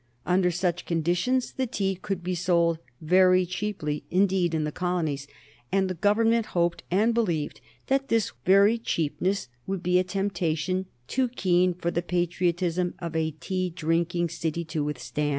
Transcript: Under such conditions the tea could be sold very cheaply indeed in the colonies, and the Government hoped and believed that this very cheapness would be a temptation too keen for the patriotism of a tea drinking city to withstand.